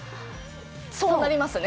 そうなりますね